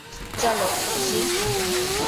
চল, পিক্সি।